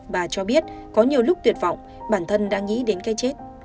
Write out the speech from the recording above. bà cho biết có nhiều lúc tuyệt vọng bản thân đã nghĩ đến cái chết